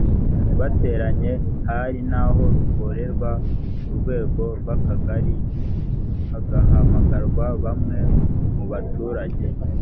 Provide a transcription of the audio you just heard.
bateranye hari n aho rukorerwa ku rwego rw akagari hagahamagarwa bamwe mu baturage